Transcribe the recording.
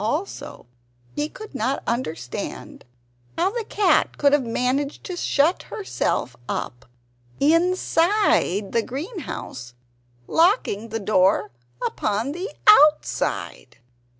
Also he could not understand how the cat could have managed to shut herself up INSIDE the greenhouse, locking the door upon the OUTSIDE.